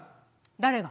誰が？